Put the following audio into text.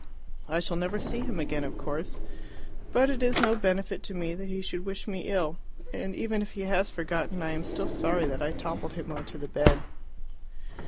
I shall never see him again, of course; but it is no benefit to me that he should wish me ill. And even if he has forgotten, I am still sorry that I toppled him on to the bed."